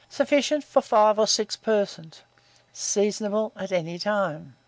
Sufficient for 5 or 6 persons. Seasonable at any time.